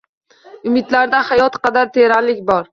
Umidlarda hayot qadar teranlik bor